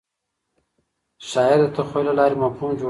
شاعر د تخیل له لارې مفهوم جوړوي.